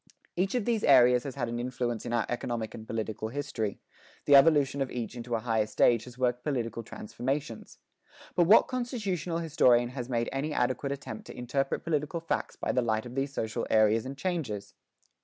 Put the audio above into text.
Each of these areas has had an influence in our economic and political history; the evolution of each into a higher stage has worked political transformations. But what constitutional historian has made any adequate attempt to interpret political facts by the light of these social areas and changes?